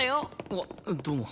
あっどうも。